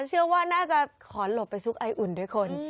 เชื่อว่าน่าจะขอหลบไปซุกไออุ่นด้วยคน